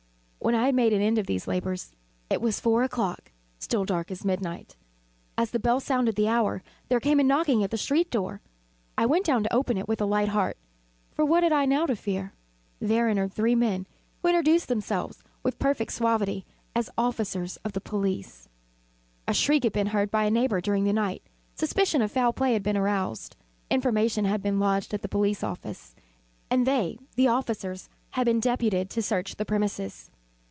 When I had made an end of these labors, it was four o'clock still dark as midnight. As the bell sounded the hour, there came a knocking at the street door. I went down to open it with a light heart, for what had I now to fear? There entered three men, who introduced themselves, with perfect suavity, as officers of the police. A shriek had been heard by a neighbour during the night; suspicion of foul play had been aroused; information had been lodged at the police office, and they (the officers) had been deputed to search the premises.